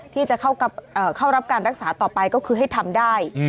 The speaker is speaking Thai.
ที่จะเข้ารับการรักษาต่อไปก็คือให้ทำได้